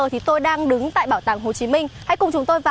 thì đấy chính là cái